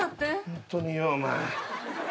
ホントによお前。